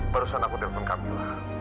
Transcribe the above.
barusan aku telpon kamila